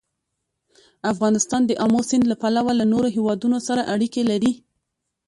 افغانستان د آمو سیند له پلوه له نورو هېوادونو سره اړیکې لري.